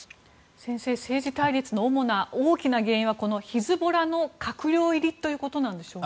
先生、政治対立の主な原因はこのヒズボラの閣僚入りということなんでしょうか。